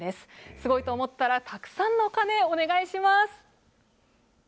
すごいと思ったら、たくさんの鐘、お願いします。